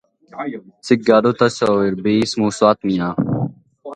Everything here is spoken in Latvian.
Cik gadu tas jau ir bijis mūsu atmiņā?